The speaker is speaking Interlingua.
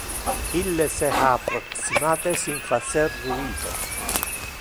Ille se ha approximate sin facer ruito.